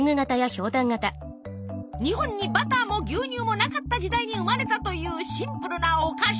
日本にバターも牛乳もなかった時代に生まれたというシンプルなお菓子。